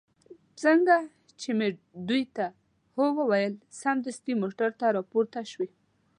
څنګه چې مې دوی ته هو وویل، سمدستي موټر ته را پورته شوې.